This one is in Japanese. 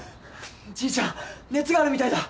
じいちゃん熱があるみたいだ！